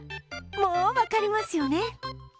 もう分かりますよね？